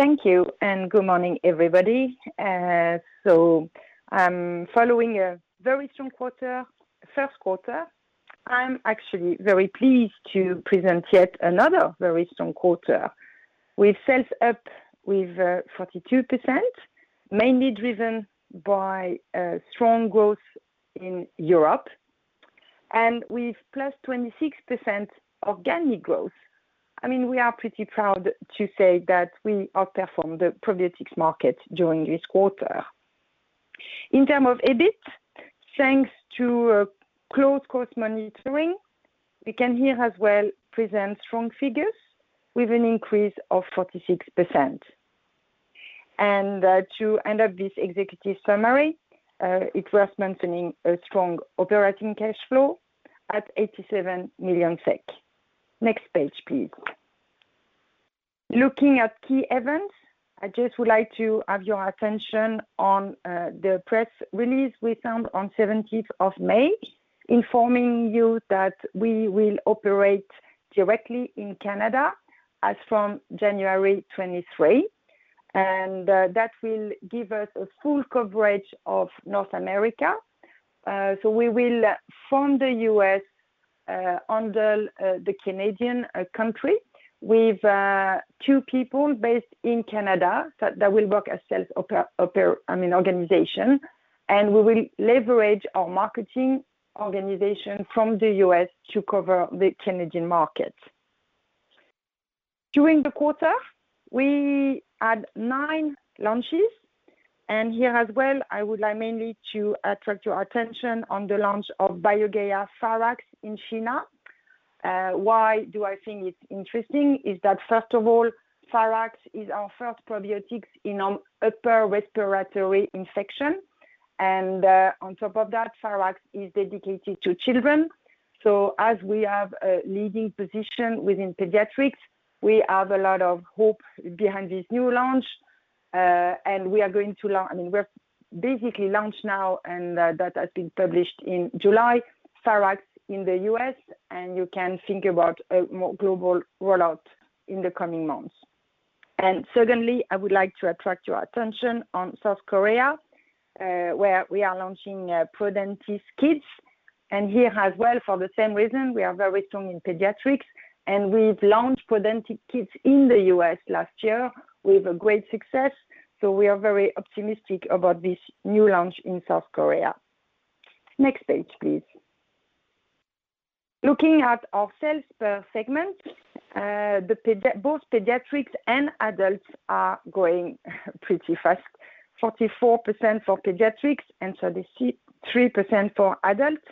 Thank you, and good morning, everybody. Following a very strong quarter, first quarter, I'm actually very pleased to present yet another very strong quarter. We've sales up with 42%, mainly driven by strong growth in Europe. With +26% organic growth, I mean, we are pretty proud to say that we outperformed the probiotics market during this quarter. In terms of EBIT, thanks to close cost monitoring, we can here as well present strong figures with an increase of 46%. To end up this executive summary, it's worth mentioning a strong operating cash flow at 87 million SEK. Next page, please. Looking at key events, I just would like to have your attention on the press release we found on 17th of May, informing you that we will operate directly in Canada as from January 2023. That will give us a full coverage of North America. We will, from the U.S., handle the Canadian country with two people based in Canada that will work as sales organization. I mean, organization. We will leverage our marketing organization from the U.S. to cover the Canadian market. During the quarter, we had nine launches, and here as well, I would like mainly to attract your attention on the launch of BioGaia Pharax in China. Why do I think it's interesting is that, first of all, Pharax is our first probiotics in upper respiratory infection. On top of that, Pharax is dedicated to children. As we have a leading position within pediatrics, we have a lot of hope behind this new launch. I mean, we're basically launched now, and that has been published in July, Pharax in the U.S., and you can think about a more global rollout in the coming months. Secondly, I would like to attract your attention on South Korea, where we are launching Prodentis KIDS. Here as well, for the same reason, we are very strong in pediatrics, and we've launched Prodentis KIDS in the U.S. last year with a great success. We are very optimistic about this new launch in South Korea. Next page, please. Looking at our sales per segment, both pediatrics and adults are growing pretty fast, 44% for pediatrics, and 33% for adults.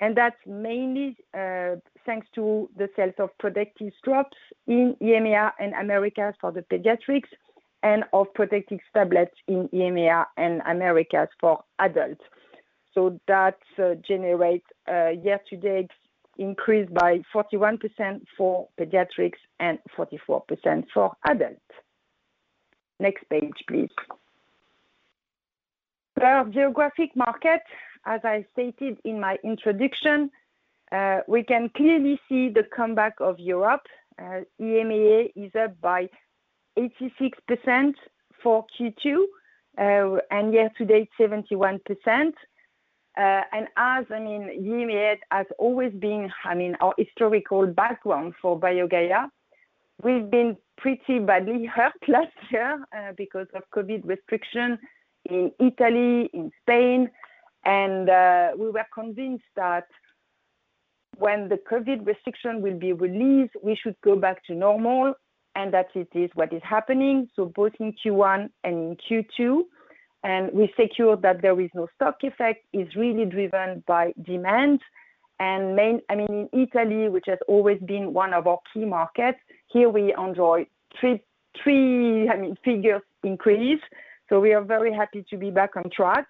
That's mainly thanks to the sales of Protectis drops in EMEA and Americas for the pediatrics and of Protectis tablets in EMEA and Americas for adults. That generates a year-to-date increase by 41% for pediatrics and 44% for adults. Next page, please. Per geographic market, as I stated in my introduction, we can clearly see the comeback of Europe. EMEA is up by 86% for Q2, and year to date 71%. I mean, EMEA has always been, I mean, our historical background for BioGaia. We've been pretty badly hurt last year because of COVID restriction in Italy, in Spain, and we were convinced that when the COVID restriction will be released, we should go back to normal, and that it is what is happening, so both in Q1 and in Q2. We see that there is no stock effect. It is really driven by demand. I mean, in Italy, which has always been one of our key markets, here we enjoy a three-figure increase. We are very happy to be back on track.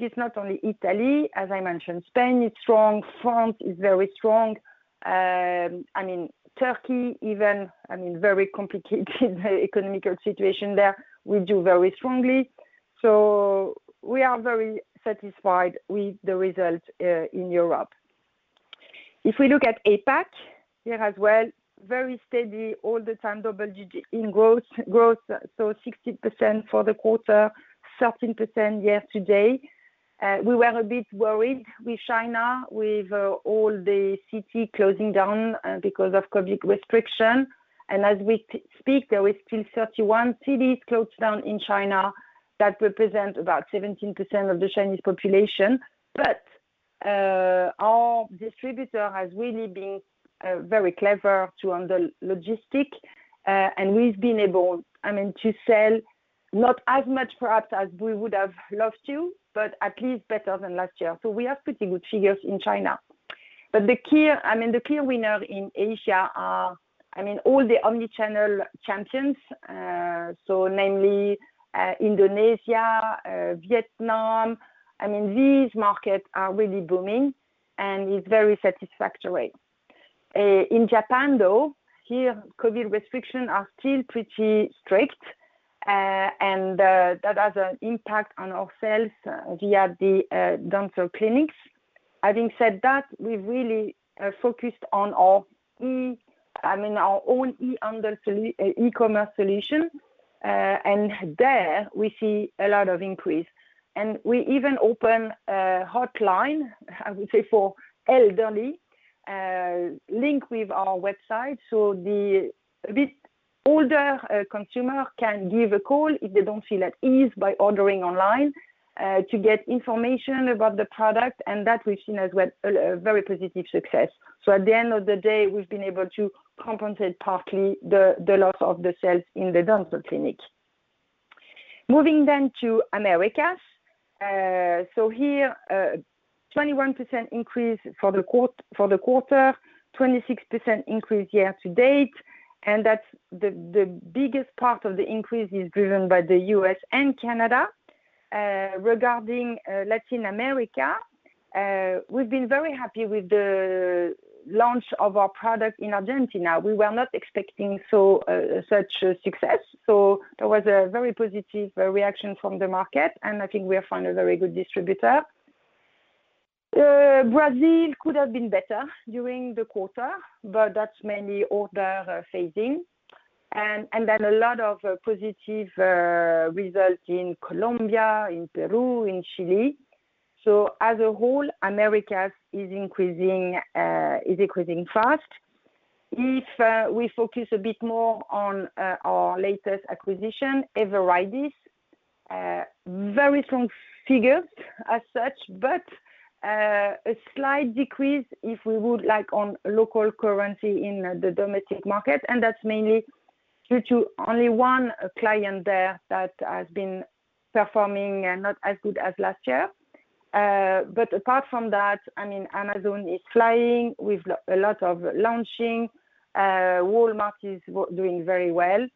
It's not only Italy. As I mentioned, Spain is strong, France is very strong. I mean, Turkey even, I mean, very complicated economic situation there, we're doing very strongly. We are very satisfied with the results in Europe. If we look at APAC, here as well, very steady all the time, double-digit growth. 60% for the quarter, 13% year-to-date. We were a bit worried with China, with all the cities closing down because of COVID restrictions. As we speak, there is still 31 cities closed down in China that represent about 17% of the Chinese population. Our distributor has really been very clever to handle logistics, and we've been able, I mean, to sell, not as much perhaps as we would have loved to, but at least better than last year. We have pretty good figures in China. The clear winner in Asia are all the omnichannel champions, so namely, Indonesia, Vietnam. I mean, these markets are really booming, and it's very satisfactory. In Japan, though, COVID restrictions are still pretty strict, and that has an impact on our sales via the dental clinics. Having said that, we've really focused on our own e-commerce solution. There we see a lot of increase. We even open a hotline, I would say, for elderly linked with our website. This older consumer can give a call if they don't feel at ease by ordering online to get information about the product. That we've seen as well a very positive success. At the end of the day, we've been able to compensate partly the loss of the sales in the dental clinic. Moving to Americas. Here a 21% increase for the quarter, 26% increase year to date. That's the biggest part of the increase is driven by the U.S. and Canada. Regarding Latin America, we've been very happy with the launch of our product in Argentina. We were not expecting so much success, so there was a very positive reaction from the market, and I think we have found a very good distributor. Brazil could have been better during the quarter, but that's mainly order phasing. A lot of positive results in Colombia, in Peru, in Chile. As a whole, Americas is increasing fast. If we focus a bit more on our latest acquisition, Everidis, very strong figures as such, but a slight decrease if we look at local currency in the domestic market, and that's mainly due to only one client there that has been performing not as good as last year. Apart from that, I mean, Amazon is flying with a lot of launching. Walmart is doing very well.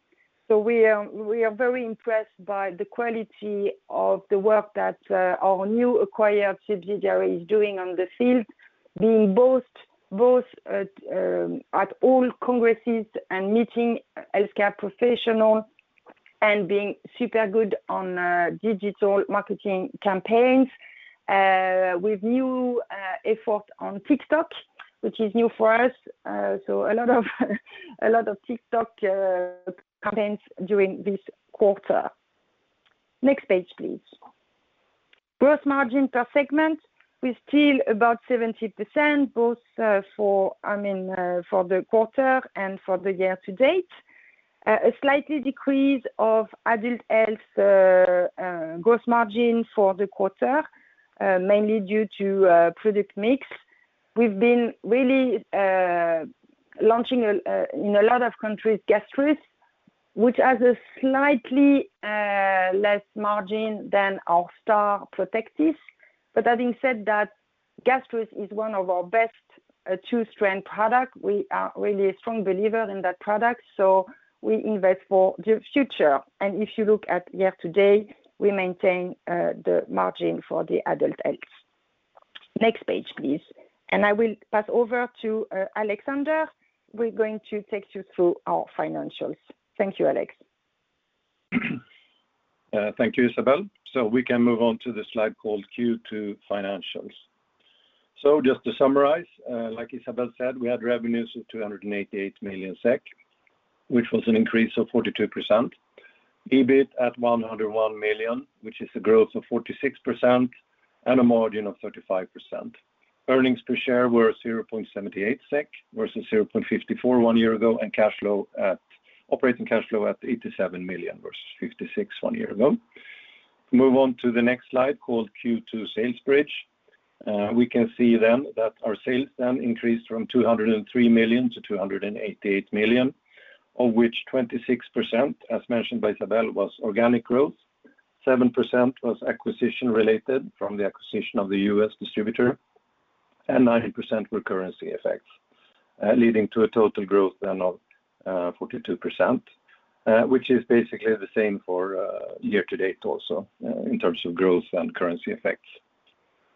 We are very impressed by the quality of the work that our new acquired subsidiary is doing in the field, being both at all congresses and meeting healthcare professionals and being super good on digital marketing campaigns with new effort on TikTok, which is new for us. A lot of TikTok campaigns during this quarter. Next page, please. Gross margin per segment, we're still about 70%, both for the quarter and for the year to date, I mean. A slight decrease of Adult Health gross margin for the quarter, mainly due to product mix. We've been really launching in a lot of countries, Gastrus, which has a slightly less margin than our star Protectis. That being said, that Gastrus is one of our best two-strength product. We are really a strong believer in that product, so we invest for the future. If you look at year to date, we maintain the margin for the Adult Health. Next page, please. I will pass over to Alexander, who is going to take you through our financials. Thank you, Alex. Thank you, Isabelle. We can move on to the slide called Q2 Financials. Just to summarize, like Isabelle said, we had revenues of 288 million SEK, which was an increase of 42%. EBIT at 101 million, which is a growth of 46% and a margin of 35%. Earnings per share were 0.78 SEK versus 0.54 one year ago, and operating cash flow at 87 million versus 56 million one year ago. Move on to the next slide called Q2 Sales Bridge. We can see that our sales increased from 203 million to 288 million, of which 26%, as mentioned by Isabelle, was organic growth, 7% was acquisition related from the acquisition of the U.S. distributor, and 90% were currency effects, leading to a total growth of 42%. Which is basically the same for year to date also in terms of growth and currency effects.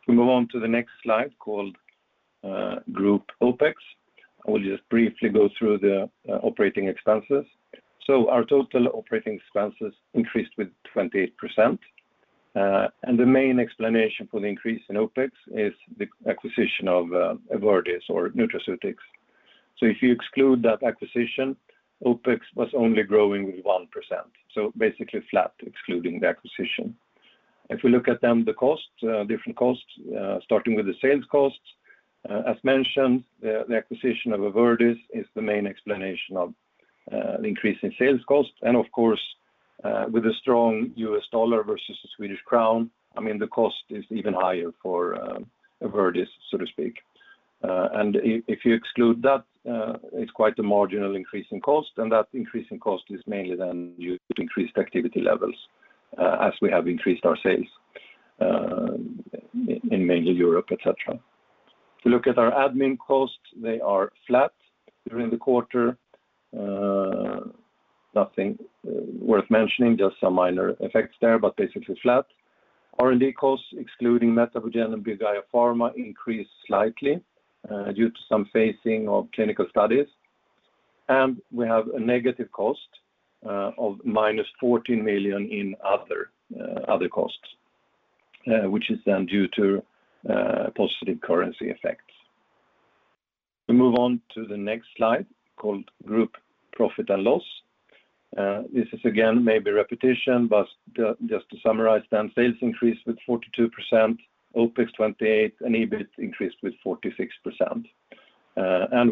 We move on to the next slide called Group OpEx. I will just briefly go through the operating expenses. Our total operating expenses increased with 28%. The main explanation for the increase in OpEx is the acquisition of Everidis or Nutraceutics. If you exclude that acquisition, OpEx was only growing with 1%, so basically flat excluding the acquisition. If we look at then the costs, different costs, starting with the sales costs. As mentioned, the acquisition of Everidis is the main explanation of the increase in sales costs. Of course, with the strong U.S. dollar versus the Swedish krona, I mean, the cost is even higher for Everidis, so to speak. If you exclude that, it's quite a marginal increase in cost, and that increase in cost is mainly then due to increased activity levels, as we have increased our sales, in mainly Europe, etc. If you look at our admin costs, they are flat during the quarter. Nothing worth mentioning, just some minor effects there, but basically flat. R&D costs, excluding MetaboGen and BioGaia Pharma, increased slightly, due to some phasing of clinical studies. We have a negative cost of -14 million in other costs, which is then due to positive currency effects. We move on to the next slide called Group Profit and Loss. This is again maybe repetition, but just to summarize then, sales increased with 42%, OpE 28%, and EBIT increased with 46%.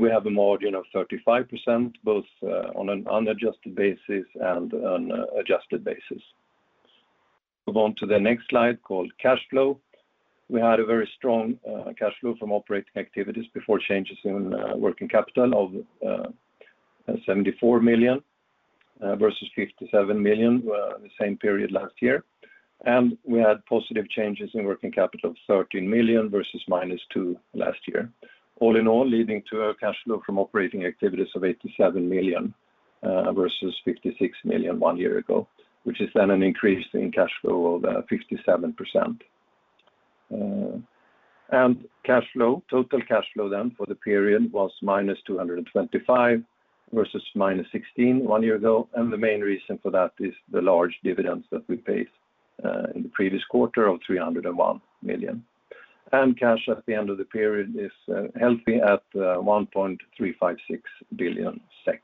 We have a margin of 35% both on an unadjusted basis and on adjusted basis. Move on to the next slide called Cash Flow. We had a very strong cash flow from operating activities before changes in working capital of 74 million versus 57 million the same period last year. We had positive changes in working capital of 13 million versus -2 million last year. All in all, leading to a cash flow from operating activities of 87 million versus 56 million one year ago, which is then an increase in cash flow of 57%. Cash flow, total cash flow then for the period was -225 million versus -16 million one year ago. The main reason for that is the large dividends that we paid in the previous quarter of 301 million. Cash at the end of the period is healthy at 1.356 billion SEK.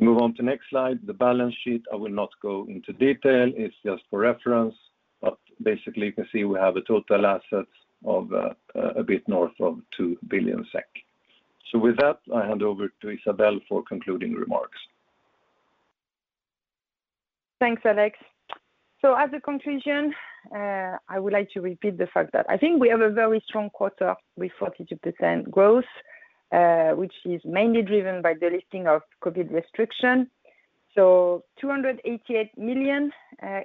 Move on to next slide, the balance sheet. I will not go into detail. It's just for reference. Basically, you can see we have a total assets of a bit north of 2 billion SEK. With that, I hand over to Isabelle for concluding remarks. Thanks, Alex. As a conclusion, I would like to repeat the fact that I think we have a very strong quarter with 42% growth, which is mainly driven by the lifting of COVID restriction. 288 million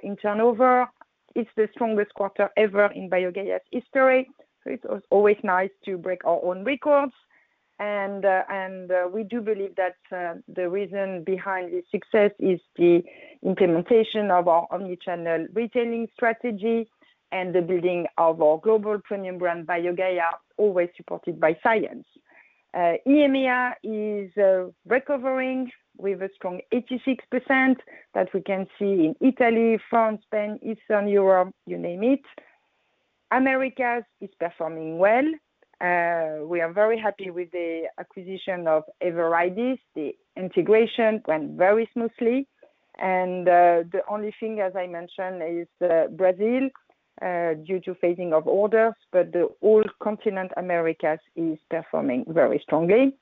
in turnover is the strongest quarter ever in BioGaia's history. It's always nice to break our own records. We do believe that the reason behind this success is the implementation of our omnichannel retailing strategy and the building of our global premium brand, BioGaia, always supported by science. EMEA is recovering with a strong 86% that we can see in Italy, France, Spain, Eastern Europe, you name it. Americas is performing well. We are very happy with the acquisition of Everidis. The integration went very smoothly. The only thing, as I mentioned, is Brazil due to phasing of orders. The whole continent Americas is performing very strongly.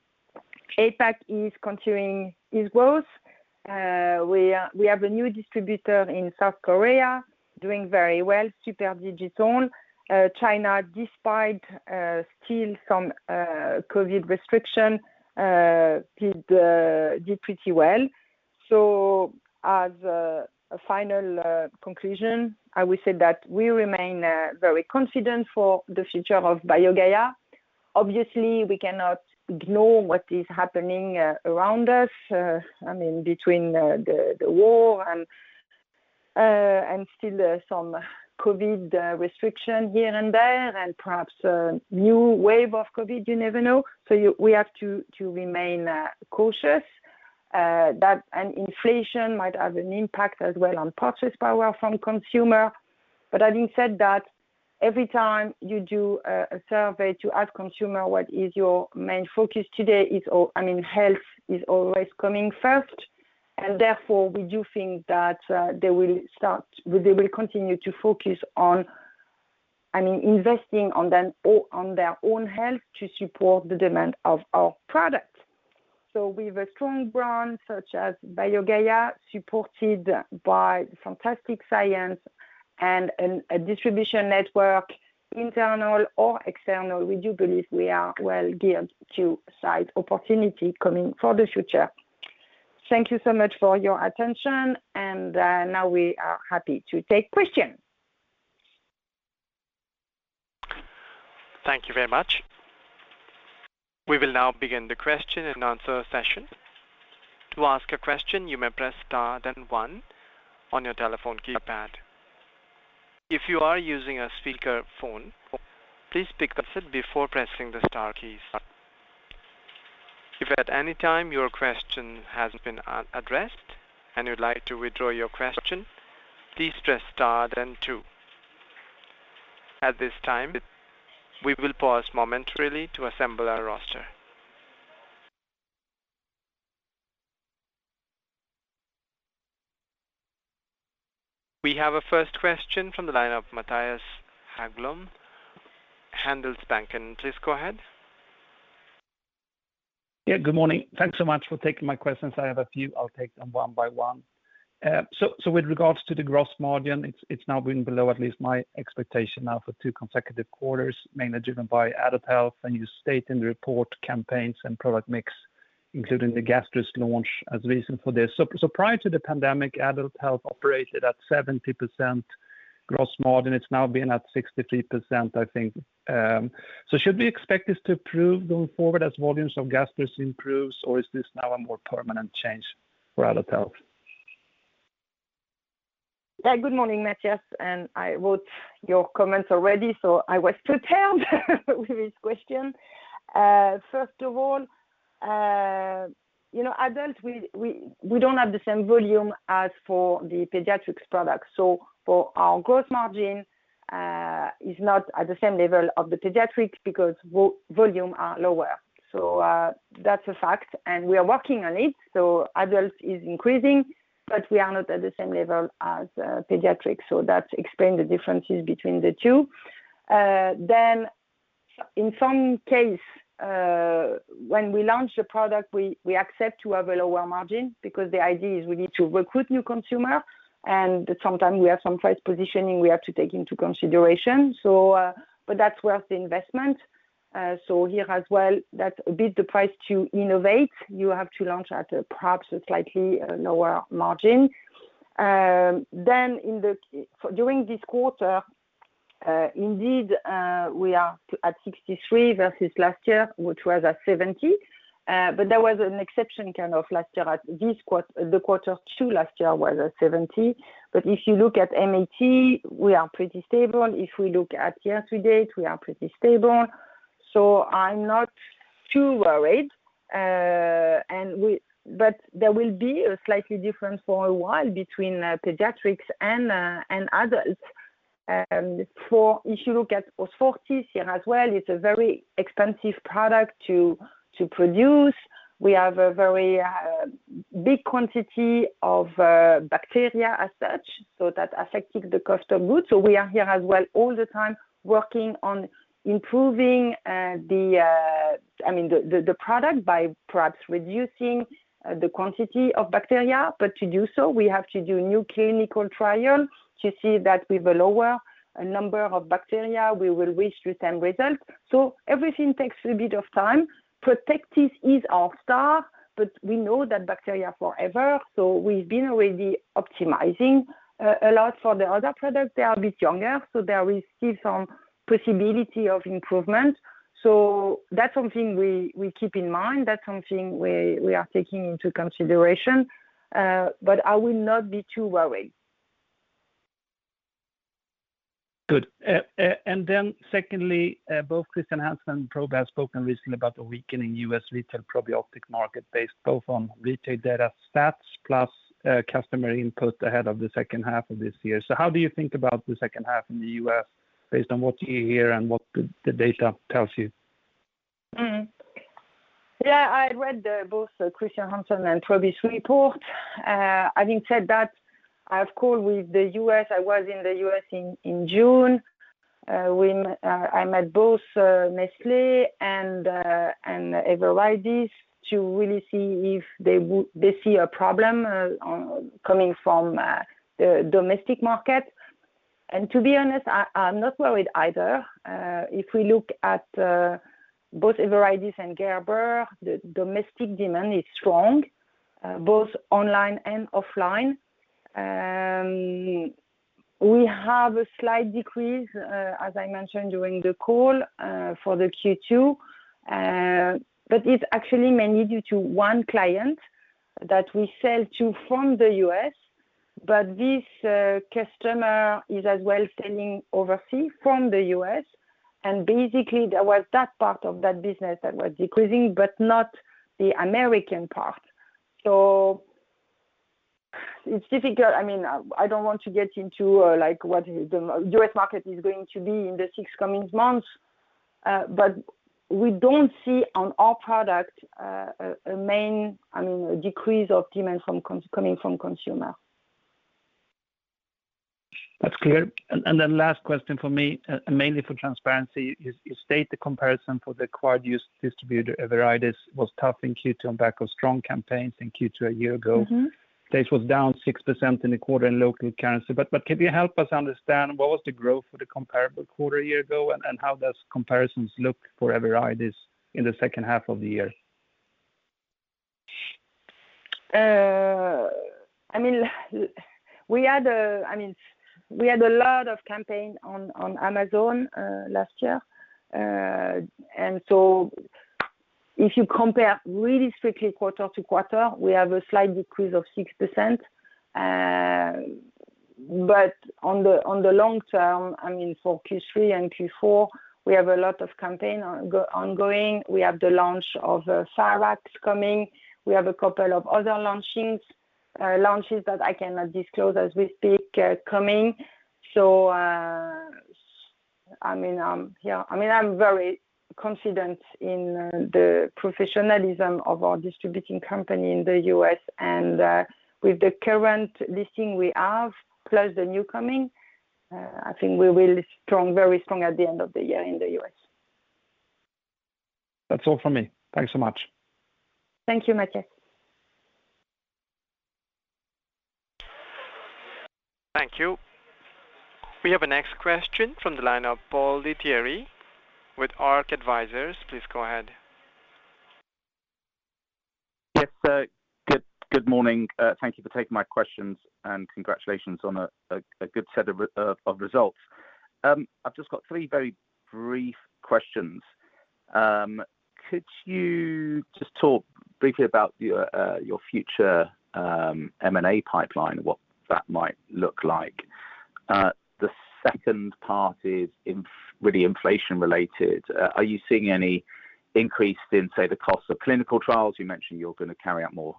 APAC is continuing its growth. We have a new distributor in South Korea doing very well, super digital. China, despite still some COVID restriction, did pretty well. As a final conclusion, I will say that we remain very confident for the future of BioGaia. Obviously, we cannot ignore what is happening around us. I mean, between the war and still some COVID restriction here and there, and perhaps a new wave of COVID, you never know. We have to remain cautious, and inflation might have an impact as well on purchase power from consumer. Having said that, every time you do a survey to ask consumer what your main focus today is all, I mean, health is always coming first. Therefore, we do think that they will continue to focus on, I mean, investing on their own health to support the demand of our product. With a strong brand such as BioGaia, supported by fantastic science and a distribution network, internal or external, we do believe we are well geared to seize opportunity coming for the future. Thank you so much for your attention, and now we are happy to take questions. Thank you very much. We will now begin the question and answer session. To ask a question, you may press star then one on your telephone keypad. If you are using a speakerphone, please pick up before pressing the star key. If at any time your question hasn't been addressed and you'd like to withdraw your question, please press star then two. At this time, we will pause momentarily to assemble our roster. We have a first question from the line of Mattias Häggblom, Handelsbanken. Please go ahead. Yeah. Good morning. Thanks so much for taking my questions. I have a few. I'll take them one by one. With regards to the gross margin, it's now been below at least my expectation now for two consecutive quarters, mainly driven by Adult Health, and you state in the report campaigns and product mix, including the Gastrus launch as reason for this. Prior to the pandemic, Adult Health operated at 70% gross margin. It's now been at 63%, I think. Should we expect this to improve going forward as volumes of Gastrus improves, or is this now a more permanent change for Adult Health? Yeah. Good morning, Mattias, and I wrote your comments already, so I was prepared with this question. First of all, you know, Adult, we don't have the same volume as for the pediatrics products. For our gross margin is not at the same level of the pediatrics because volume are lower. That's a fact, and we are working on it. Adult is increasing, but we are not at the same level as pediatrics, so that explain the differences between the two. Then in some case, when we launch a product, we accept to have a lower margin because the idea is we need to recruit new consumer and sometimes we have some price positioning we have to take into consideration. But that's worth the investment. Here as well, that's a bit the price to innovate. You have to launch at perhaps a slightly lower margin. For this quarter, indeed, we are at 63% versus last year, which was at 70%. There was an exception kind of last year at this quarter. The quarter two last year was at 70%. If you look at MAT, we are pretty stable. If we look at year-to-date, we are pretty stable. I'm not too worried. There will be a slight difference for a while between pediatrics and adult. If you look at Osfortis here as well, it's a very expensive product to produce. We have a very big quantity of bacteria as such, so that's affecting the cost of goods. We are here as well all the time working on improving, I mean, the product by perhaps reducing the quantity of bacteria. To do so, we have to do new clinical trial to see that with a lower number of bacteria, we will reach the same results. Everything takes a bit of time. Protectis is our star, but we know that bacteria are forever. We've been already optimizing a lot for the other products. They are a bit younger, so there we see some possibility of improvement. That's something we keep in mind. That's something we are taking into consideration. I will not be too worried. Good. Secondly, both Chr. Hansen and Probi have spoken recently about the weakening U.S. retail probiotic market based both on retail data stats plus customer input ahead of the second half of this year. How do you think about the second half in the U.S. based on what you hear and what the data tells you? I read both Chr. Hansen and Probi's report. Having said that, I have called with the U.S. I was in the U.S. in June when I met both Nestlé and Everidis to really see if they see a problem coming from the domestic market. To be honest, I'm not worried either. If we look at both Everidis and Gerber, the domestic demand is strong both online and offline. We have a slight decrease as I mentioned during the call for the Q2. But it actually mainly due to one client that we sell to from the U.S. This customer is as well selling overseas from the U.S., and basically that was that part of that business that was decreasing, but not the American part. It's difficult. I mean, I don't want to get into, like, what the U.S. market is going to be in the six coming months, but we don't see on our product a decrease of demand coming from consumer. That's clear. Then last question from me, mainly for transparency, is you state the comparison for the acquired U.S. distributor, Everidis, was tough in Q2 on the back of strong campaigns in Q2 a year ago. Mm-hmm. Sales was down 6% in the quarter in local currency. Can you help us understand what was the growth for the comparable quarter a year ago and how does comparisons look for Everidis in the second half of the year? I mean, we had a lot of campaign on Amazon last year. If you compare really strictly quarter to quarter, we have a slight decrease of 6%. On the long term, I mean, for Q3 and Q4, we have a lot of campaign ongoing. We have the launch of Pharax coming. We have a couple of other launches that I cannot disclose as we speak coming. I mean, yeah. I mean, I'm very confident in the professionalism of our distributing company in the U.S. and with the current listing we have, plus the new coming, I think we're really strong, very strong at the end of the year in the U.S. That's all from me. Thanks so much. Thank you, Mattias. Thank you. We have a next question from the line of Paul Steinitz with ARC Advisory Group. Please go ahead. Yes, good morning. Thank you for taking my questions, and congratulations on a good set of results. I've just got three very brief questions. Could you just talk briefly about your future M&A pipeline, what that might look like? The second part is really inflation related. Are you seeing any increase in, say, the cost of clinical trials? You mentioned you're gonna carry out more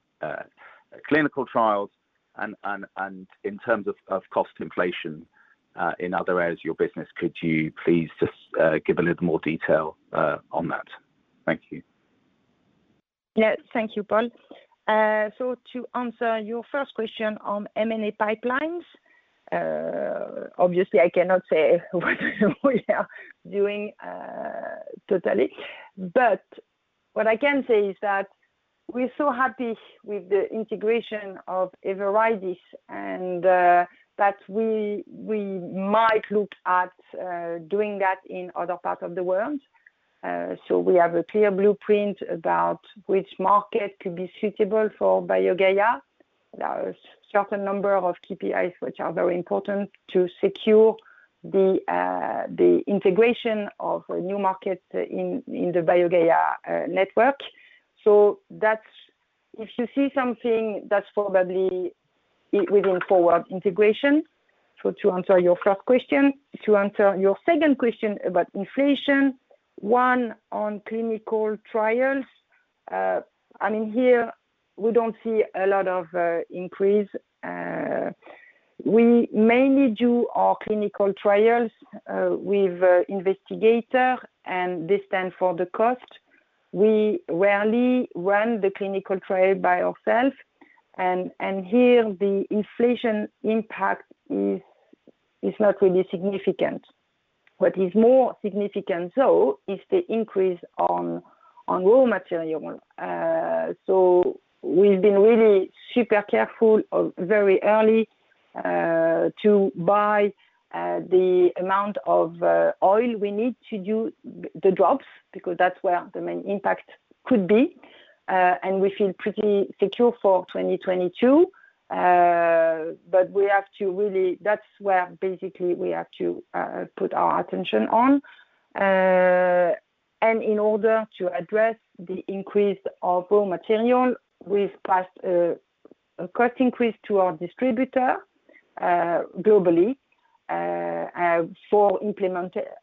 clinical trials and in terms of cost inflation in other areas of your business, could you please just give a little more detail on that? Thank you. Yeah. Thank you, Paul. To answer your first question on M&A pipelines, obviously I cannot say what we are doing, totally. What I can say is that we're so happy with the integration of Everidis and that we might look at doing that in other parts of the world. We have a clear blueprint about which market could be suitable for BioGaia. There are certain number of KPIs which are very important to secure the integration of new markets in the BioGaia network. If you see something that's probably it, we're going forward integration. To answer your first question. To answer your second question about inflation, one, on clinical trials, I mean, here we don't see a lot of increase. We mainly do our clinical trials with investigators, and they stand for the cost. We rarely run the clinical trial by ourselves. Here the inflation impact is not really significant. What is more significant though is the increase in raw material. We've been really super careful, very early, to buy the amount of oil we need to do the drops because that's where the main impact could be. We feel pretty secure for 2022. We have to really. That's where basically we have to put our attention on. In order to address the increase of raw material, we've passed a cost increase to our distributor globally for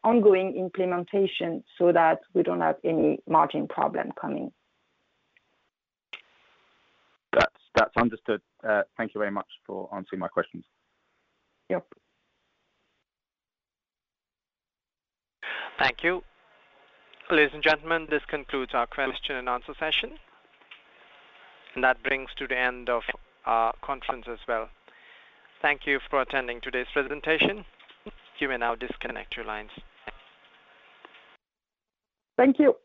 ongoing implementation so that we don't have any margin problem coming. That's understood. Thank you very much for answering my questions. Yep. Thank you. Ladies and gentlemen, this concludes our question and answer session, and that brings to the end of our conference as well. Thank you for attending today's presentation. You may now disconnect your lines. Thank you.